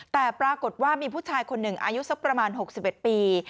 แต่ปรากฏว่ามีผู้ชายคนหนึ่งอายุสักประมาณ๖๑ปี